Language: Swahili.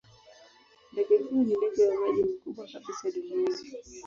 Ndege huyo ni ndege wa maji mkubwa kabisa duniani.